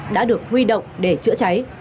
đã được huy động để chữa cháy